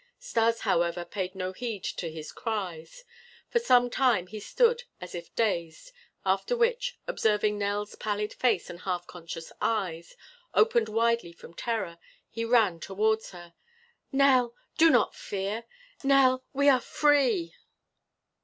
Stas, however, paid no heed to his cries. For some time he stood as if dazed; after which, observing Nell's pallid face and half conscious eyes, opened widely from terror, he ran towards her. "Nell, do not fear! Nell, we are free!"